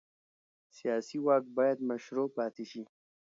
سیاسي واک باید مشروع پاتې شي